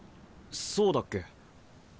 そうだっけ？